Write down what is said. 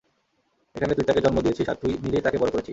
এখানে তুই তাকে জন্ম দিয়েছিস আর তুই নিজেই তাকে বড় করেছিস।